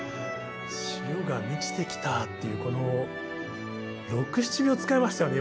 「潮が満ちてきた」っていうこの６７秒使いましたよね